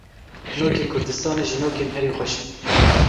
Nokên kurdistanê ji nokên herî xweş in.